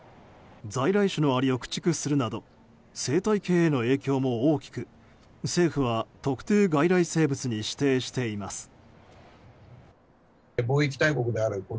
在来種のアリを駆逐するなど生態系への影響も大きく政府は特定外来生物に指定しています。